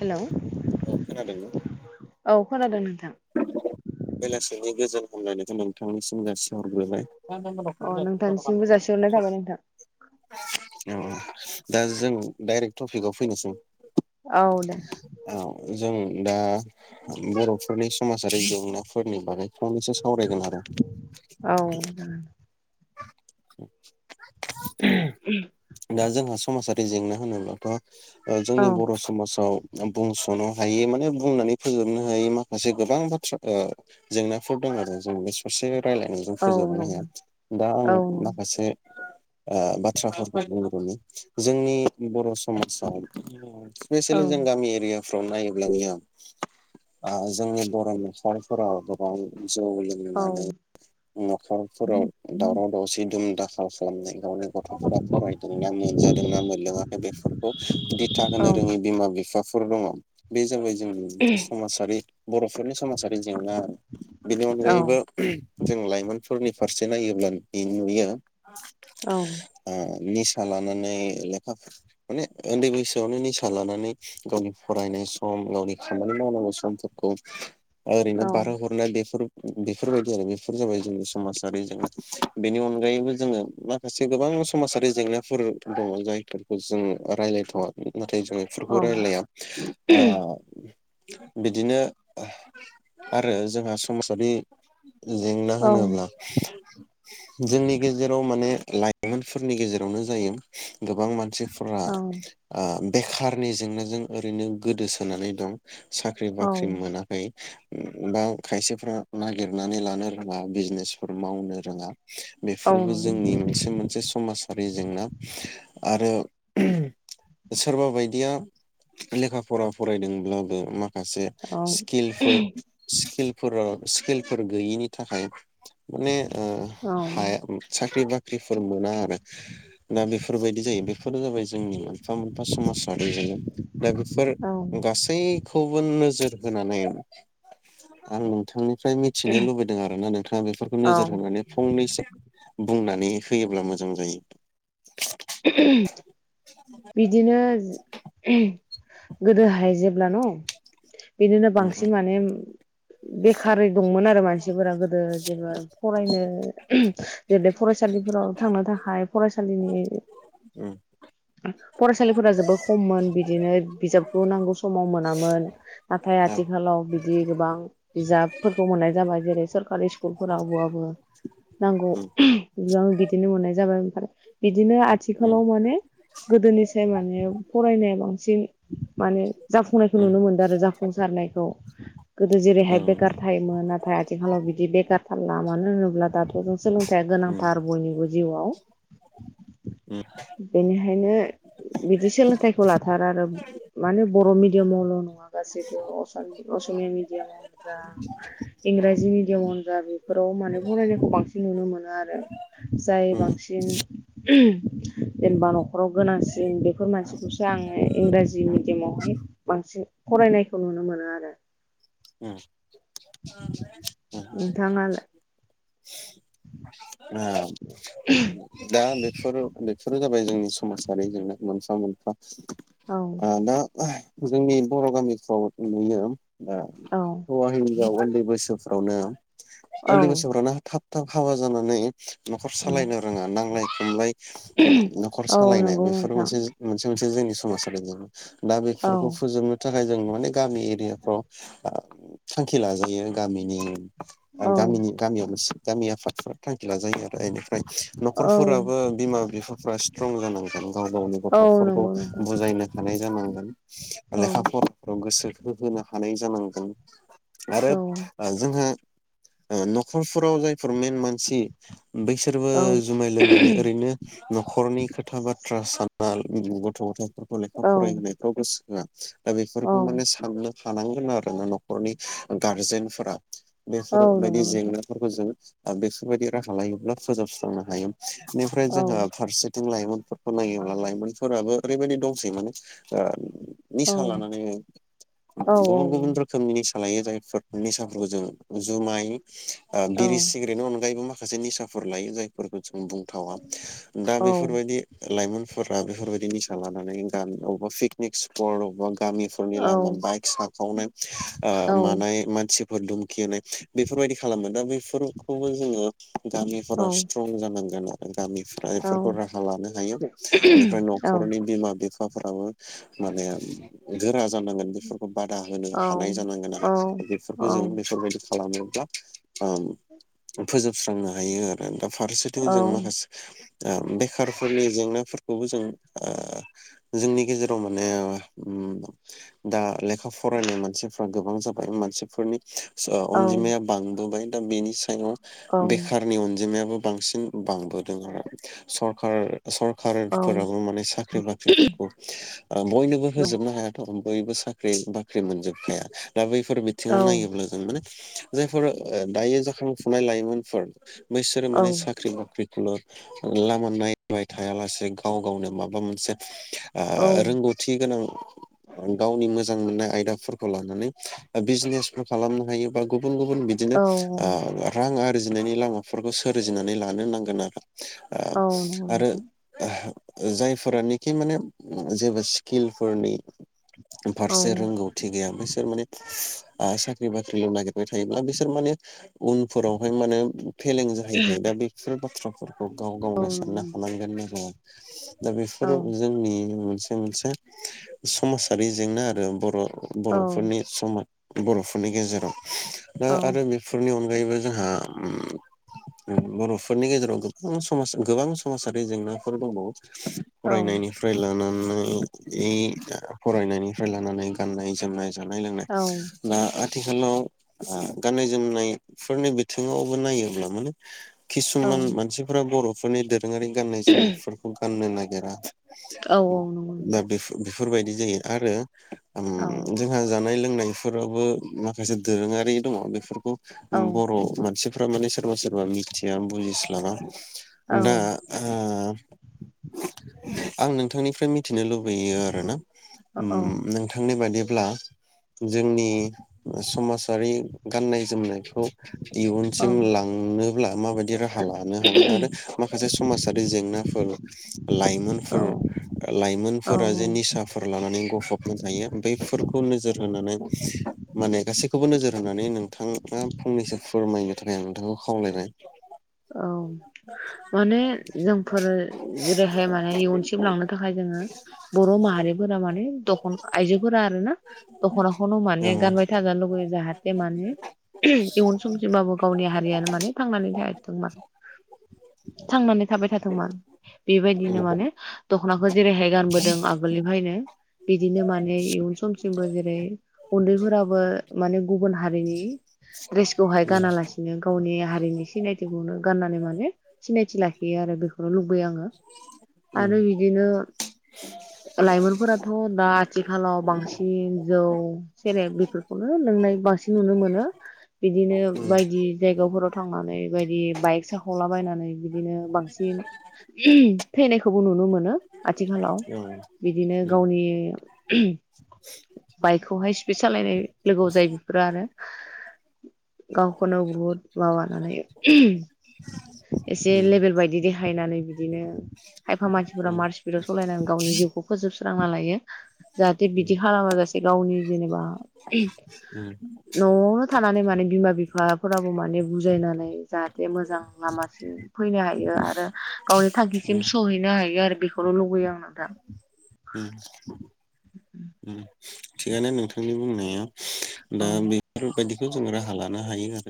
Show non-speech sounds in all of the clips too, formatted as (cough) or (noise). Hello औ खोनादों ना औ खोनादों नोंथां बेलासिनि गोजोन हामलायनायखौ नोंथांनिसिम जासिहरग्रोबाय (unintelligible) अ नोंथांनिसिमबो जासिहरनाय थाबाय नोंथां अ अ दा जों डाइरेक्ट टपिकआव फैनोसै औ दे औ जों दा बर'फोरनि समाजारि जेंनाफोरनि बागै फंनैसो सावरायगोन आरो (inaudible) दा जोंहा समाजा जेंना होनोब्लाथ' ओ औ जोंनि बर' समाजाव बुंस सनो हायै माने बुंनानै फोजोबनो हायै माखासे गोबां बाथ्रा ओ जेंनाफोर दं आरो जों दसे रायलायनायजों औ फोजोबनो नं हाया दा आं औ नं माखासे ओ बाथ्राफोरखौ बुंग्रोनि जोंनि बर' समाजाव औ स्पिसेलि जों गामि एरियाव याव नायोब्ला नुयो आं ओ जोंनि बर' न'खरफोराव गोबां जौ औ लोंनानै न'खरफोराव दावराव‌ दावसि दुम दाखाल खालामनाय गावनि गथ'फोरा फरायदों ना मोनजादोंना मोनलोङाखै बेफोरखौ दिथा औ होनो रोङै बिमा बिफा फोर दङ बे जोंनि जोंनि समाजारि बर'फोरनि समाजारि जेंना बेनि औ अनगायैबो जों लाइमोन फोरनि फारसे जों नायोब्ला इ नुयो औ ओ निस निसा लानानै लेखा माने उन्दै बैसोआवनो निसा लानानै गावनि फरायनाय सम गावनि खामानि मावनांगौ समफोरखौ ओरैनो औ बारहो हरनो बेफोर बेफोरबायदि आरो बेफोर जाबाय जोंनि समाज आरो जोंङो बेनि अनगायैबो जोङो माखासे गोबां समाजारि जेंनाफोर दङ जायफोरखौ जोङो रायज्लायथ'वाखै नाथाय जों औ बेफोरखौ रायलाया ओ बिदिनो आरो जोंहा समाजारि जेंना होनोब्ला जोंनि गेजेराव मा मे लाइमोनफोरनि गेजेरावनो जायो गोबां मानसि ब्रा आ बेखारनि जेंनाजों ओरैनो गोदोसोनानै दं साख्रि औ बाख्रि मोनाखै बा खायसेफ्रा नागिरनानै लानो रोङा बिजनेस फोर मावनो रोङा बेफोरबो जोंनि मोनसे मोनसे समाजारि जेंना आरो सोरबा बायदिया लेखा फरा फरायदोंब्लाबो मा खासे औ स्किलफोर स्किलफोराव स्किलफोर गैयिनि थाखाय माने ओ औ हाया साख्रि बा ख्रि फोर मोना आरो दा बेफोरबायदि जायो बेफोरो जाबाय जोंनि मोनफा मोनफा समाजारि जेंना दा बेफोर औ गासैखौबो नोजोर होनानै आं नोंथांनि फ्राय मिथिनो लुबैदों आरो ना नोंथाङा बेफोर नोजोर होनानै फंनैसो बुंनानै होयोब्ला मोजां जायो बिदिनो गोदोहाय जेब्ला न' बिदिनो बांसिन उम माने बेखार दंमोन आरो मानसिफोरा गोदो जेबो फरायनो जेरै फरायसालिफोराव थांनो थाखाय फरायसालिनि उम फरायसालिफोरा जोबोद खममोन बिदिनो बिजाबखौ नांगौ समाव मोनामोन नाथाय आथिखालाव बिदि गोबां बिजाबफोरखौ मोननाय जाबाय जेरै सोरखारि स्कुलफोराव बाबो नांगौ बिबां बिदिनो मोननाय जाबाय ओमफ्राय बिदिनो उम आथिखालाव माने गोदोनिसाय माने फरायनाय बांसिन माने जाफुंनायखौ नुनो मोनदों आरो जाफुंसारनायखौ गोदो औ उम औ जेरैहाय बेकार थायोमोन नाथाय आथिखालाव बिदि बेकार थार लामानो होनोब्ला दाथ' जों सोलोंथाइया उम गोनांथार बयनिबो जिउआव बेनिखायनो बिदि सोलोंथाइखौ लाथारो आरो माने बर' मिडियामावल' नङा गासैबो अस असमिया मिडियामावनो जा इंराजि मिडियामावनो जा बेफोराव माने फरायनायखौ बांसिन नुनो मोनो आरो जाय उम बांसिन जेनेबा न'खराव गोनांसिन बेफोर मानसिखौसो आङो इंराजि मिडियामावहाय बांसिन फरायनायखौ नुनो मोनो आरो उम उम नोंथाङालाय (unintelligible) आ दा बेफोरो बेफोर जाबाय जोंनि स समाजारि जेना मोनफा मोनफा औ आ दा जोंनि बर' गामिफ्राव नुयो दा औ हौवा हिन जाव उन्दै बैसोफ्रावनो उननिफ्राय औ सौग्रावना थाब थाब हाबा जाना नै न'खर औ सालायनो रोङा नांलाय खमलाय उम न'खर औ सालायनाय नंगौ बेफोर नोंथां मोनसे मोनसे मोनसे जोंनि समाजारि दा औ बेफोरखौ फोजोबनो थाखाय थाखाय जों माने गामि एरियाफ्राव आ थांखि लाजायो गामिनि आ औ गामिनि गामियाव मोनसे गामि आफादफोरा थां जायो आरो एनिफ्राय औ नखरफोराबो बिमा बिफाफ्रा स्ट्रं जानांगोन गाव गावनि औ गथ'फोरखौ नंगौ नोंथां बुजायनो हानाय जानांगोन औ लेखा फराफ्राव गोसो होहो हानाय जानांगोन (unintelligible) आरो औ जोंहा ओ न'खरफोराव जायफोर मेन मानसि बैसोरबो औ जुमाय लोंनानै ओरैनो न'खरनि खोथा बाथ्रा सान (unintelligible) फोरखौ लेखा औ फरायहोनायफ्राव गोसो आतसा दा औ बेफोरखौ माने साननो थानांगोन आरो न'खरनि गारजेनफोरा औ नंगौ बेफोरबायदि नोंथां जेंनाफोरखौ जों बेसबायदि राहालायायोब्ला फोजोबस्रांनो हायो बेनिफ्राय औ जोंहा फारसेथि लाइमोनफोरखौ नायोब्ला लाइमोनफोराबो ओरैबायदि दंसै माने ओ औ निसा लानानै औ गुबुन गुबुन निसा लायो जायफोर निसाफोरखौ जों जुमाय ओ औ बिरि सिग्रेटनि अनगायैबो माखा माखासे निसाफोर लायो जायफोरखौ जों बुंथावा औ दा औ बेफोरबायदि लाइमोन फोराबो बेफोरबायदि निसा लानानै ग अबा पिकनिक सिपट अबा गामिफोरनि औ लामा औ बाइक साखावनाय आ मानाय मान फोर धुमखि होनाय बेफोरबायदि खालामो दा बेफोरखौबो जोङो गामिफोराव स्ट्रं जानांगोन आरो गामिफोरा बेफोरखौ राहा लानो हायो बेनिफ्राय न'खरनि बिमा बिफा। बाफोरावो (unintelligible) माने गोरा जानांगोन बेफोरखौ बादा होनो हानाय जानांगोन आरो बेफोरखौ जों बेफोरबायदि। खालामोब्ला ओम फोजोबस्रांनो हायो आरो दा। फारसेथिं जों माखासे आ बेखारफोरनि जेंनाफोरखौबो जों आ जोंनि गेजेराव माने उम दा लेखा फरायनाय मान फ्रा गोबां जाबाय मानसिफोरनि अनजिमाया बांबोबाय दा बेनि सायाव बेखारनि अनजिमायाबो बांसिन बांबोदों आरो सरखार सरखारारफोराबो माने साख्रि बाख्रिफोरखौ आ बयनोबो होजोबनो हायाथ'। बयबो साख्रि बाख्रि मोनजोब ख (unintelligible) दा बैफोर बिथिङाव नायोब्ला जों माने जायफोर ओ दायो जाखांफुनाय लाइमोनफोर बैसोरो माने साख्रि बाख्रि ल लामा नायबाय थायालासे गाव गावनो माबा मोनसे आ रोंगौथि गोनां गावनि मोजां मोननाय आयदाफोर खौ लानानै ओ बिजिनेसफोर खालामनो हायो बा गुबु गुबुन गुबुन बिदिनो आ रां आरो सोरजिनायनि लामाफोरखौ सोरजिनानै लानो नांगोन आरो। ओ औ नंगौ आरो नोंथां जायफोरानोखि माने जेबो स्किलफोरनि औ फारसे रोंगौ। बैसोर माने साख्रि बाख्रि ल नागे बाय थायोब्ला बिसोर माने उनफोरावहाय माने फेलें जाहैखायो दा बेफोर बाथ्राफोरखौ गाव गावनो साननो हालांगोन न जाय दा औ बेफोरो जोंनि मोनसे मोनसे समाजारि जेंना आरो बर' औ बर'फोरनि समाज बर'फोरनि गेजेराव दा औ आरो बेफोरनि अनगायै बेगायबो जोंहा बर'फोरनि गेजेराव गोबां समाज गोबां समाजारि जेंनाफोर दंबावो औ फरायनायनिफ्राय लानानै ए फरायनायनि फ्राय लानानै गाननाय जोमनाय जानाय लोंनाय औ ना आथिखालाव आ गाननाय जोमनायफोरनि बिथिङावबो नायोब्ला माने औ किसुमान मानसिफोरा बर'फ सनि द दोरोङारि गाननाय जोमनायफोरखौ गाननो नागिर (unintelligible) औ औ नंगौ नोंथां बेफोरबायदि जायो आरो ओम औ जोंहा जानाय लों नायफोरावबो माखासे दोरोङारि दङ बेफोरखौ औ बर' मानसि फोरा माने सोरबा सोरबा मिथिया बुजिस्लाबा औ दा आ आं नोंथांनि मिथिनो लुबै यो आरोना औ उम नोंथांनि बायदि ब्ला जोंनि समाजारि गाननाय जोमनायखौ इयुनसिम लांनोब्ला माबायदि राहा लानो हागोन आरो माखासे समाजारि जेंना (inaudible) औ लाइमोनफोर औ लाइमोनफोरा जे निसाफोर लानानै गफब मजायो ओमफाय फोरखौ नोजोर होनानै माने गासैखौबो नोजोर होनानै नोंथाङा फंनैसो फोरमायनो थाखाय आं नोंथांखौ खावलायबाय औ माने जोंफोरो जेरैहाय माने इयुनसिम लांनो थाखाय जोङो बर' माहारिफोरा माने दख आइजोफोरा आरोना दख'नाखौनो माने गानबाय थाजानो लुबैयो जाहाथे माने इयुन समसिबाबो गावनि हारियानो माने थांनानै थ थांनानै थाबाय थाथोंमोन बेबायदिनो माने दख'नाखौ जेरैहाय गानबोदों आगोलनिफ्रायनो बिदिनो माने इयुन सम जोंबो जेरै उन्दैफोराबो मान गुब गुबुन हारिनि ड्रेसखौहाय गानालासिनो गावनि हारिनि सिनायथि बेखौनो गाननानै माने सिनायथि लाखियो आरो बेखौ नो लुबैयो आङो आरो बिदिनो लाइमोनफोराथ' दा आथिखालाव बांसिन जौ सेरेब बेफोरखौनो लोंनाय बांसिन नुनो मोनो बिदिनो बायदि जायगाफोराव थांनानै बेबायदि बाइक साख'लाबायनानै बिदिनो बांसिन थैनायखौबो नुनो मोनो आथिखालाव औ बिदिनो गावनि बाइकखौहाय स्पिड सालायनाय लोगोआव जायो बेफोरो आरो गावखौनो बुहुद माबानानै एसे लेबेल बायदि देखायनानै बिदिनो खायफा मानसिफोरा मार्च स्पिडाव सालायनानै गावनि जिउखौ फोजोबसि लामा लायो जाहाथे बिदि खालामाजासे गावनि जेनेबा न'आवनो थानानै माने बिमा बिफ बिफाफोराबो माने बुजायनानै जाहाथे मोजां लामासिम फैनो हायो आरो गावनि थांखिसिम सहैनो हायो आरो बे बेनो लुुबैयो आं नोंथां होम (inaudible) उम थिगानो नोंथांनि बुंनाया दा औ बिफोरबायदि बेखौ जों राहा लानो हायो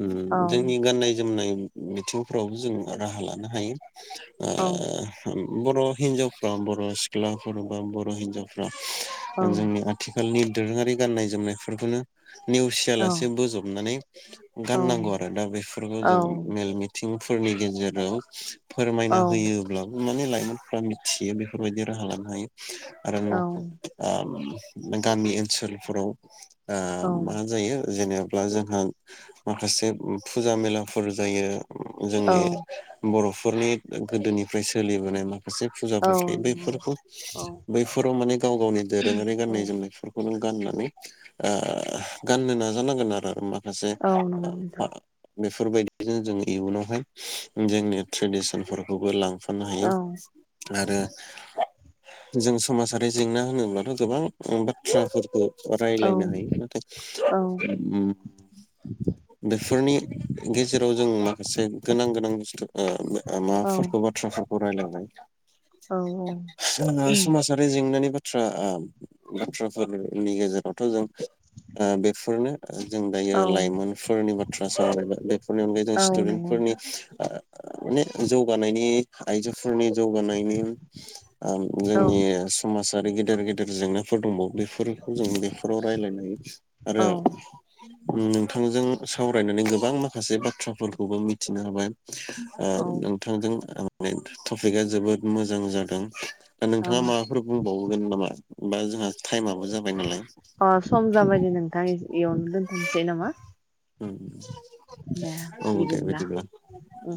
उम औ जोंनि गाननाय जोमनाय बिथिंफोरावबो जों राहा लानो हायो आ अ ओम बर' हिनजावफ्रा बर' सिख्लाफोर बा बर' हिनजावफ्रा जोंनि आथिखालनि दोरोङारि गाननाय जोमनायफोरखौनो नेवसियालासे बोजबनानै गाननांगौ आरो दा बेफोरखौ जों मेल मिथि सुबुंफोरनि गेजेराव फोरमायना होयोब्लाबो माने लाइमोनफ्रा मिथियो बेफोरबायदि राहा लानो हायो आरो गामि ओनसोलफोराव मा मोजां जायो। जेनेाबा जोंहा माखासे फुजा मेलाफोर जायोबा जोंनि बर' नख'रनि गोदोनिफ्राय सोलिबोनाय मा माखासे फुजाफोर थायो बैफोरखौ बैफोराव नै गाव गावनि धोरोमङारि गाननाय जोमनायफोरखौ गाननानै ओ गाननो नाजानांगोन आरो मा औ नंगौ नोथां बेफोरबायदिजों जों इयुनावहाय जोंनि ट्रेडिसनफोरखौबो लांफानो हायो आरो जों समाजाव आरो जेंना होनोब्लाथ' गोबां बाथ्राफोरबो। रायलायनो हायो नाथाय ओ बेफोरनि गेजेराव जों मा माखासे गोनां गोनां बुसथु माफोरखौ बाथ्राफोरखौ जा औ-औ बुंनायनि बाथ्रा बाथ्राफोरनि गेजेरावथ' जों ओ बेफोरनो जों दायो लाइमोनफोरनि बाथ्रा सावरायनो बेफोरनि अनगायै जों स्टुडेन्टफोरनि माने जौगानायनि आइजोफोरनि जौगानायनि ओम जोंनिनो समाजारि गेदेर गेदेरजोंनो फोर दंबावओ फोरखौ जों बेफोराव रायजलायनानै आरो ओ नोंथांजों सावरायनानै गोबां माखासे बाथ्राफोरखौबो मिथिना हाबाय। ओ नोंथांजों आं ओ टपिकआ जोबोद मोजां जादों। दा नोंथाङा मा बुंबावगोन नामा बा जोंहा टाइमाबो जाबाय नालाय अ सम जाबायदि नोंथां अ इयावनो दोनथ'नोसै नामा? दे औ दे बिदिब्ला बेदिब्ला। ओं